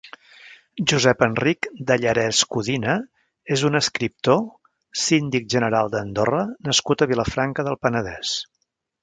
Josep Enric Dallerès Codina és un escriptor, síndic general d'Andorra nascut a Vilafranca del Penedès.